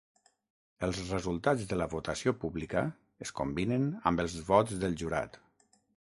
Els resultats de la votació pública es combinen amb els vots del jurat.